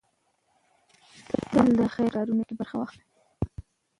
تل د خير په کارونو کې برخه واخلئ.